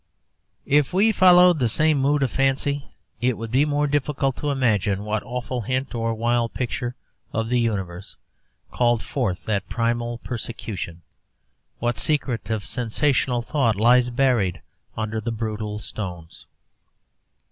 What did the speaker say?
If we followed the same mood of fancy, it would be more difficult to imagine what awful hint or wild picture of the universe called forth that primal persecution, what secret of sensational thought lies buried under the brutal stones.